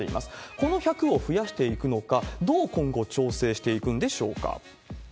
この１００を増やしていくのか、どう今後、調整していくんでしょうか。